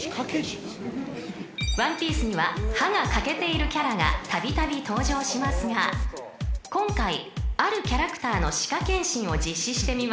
［『ワンピース』には歯が欠けているキャラが度々登場しますが今回あるキャラクターの歯科検診を実施してみました］